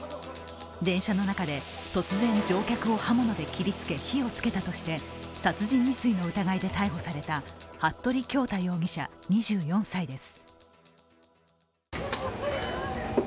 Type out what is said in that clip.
電車の中で、突然、乗客を刃物で切りつけ火をつけたとして、殺人未遂の疑いで逮捕された服部恭太容疑者２４歳です。